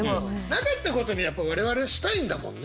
なかったことにやっぱ我々はしたいんだもんね。